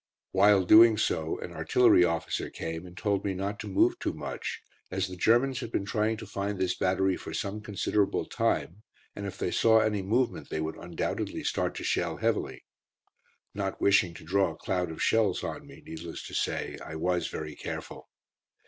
While doing so an artillery officer came and told me not to move too much as the Germans had been trying to find this battery for some considerable time, and if they saw any movement they would undoubtedly start to shell heavily. Not wishing to draw a cloud of shells on me, needless to say, I was very careful.